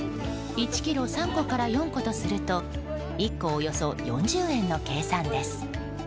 １ｋｇ、３個から４個とすると１個およそ４０円の計算です。